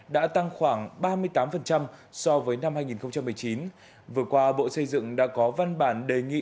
đã tăng khoảng ba mươi tám so với năm hai nghìn một mươi chín vừa qua bộ xây dựng đã có văn bản đề nghị